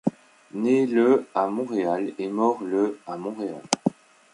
Né le à Montréal, et mort le à Montréal.